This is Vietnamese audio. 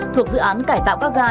thuộc dự án cải tạo các ga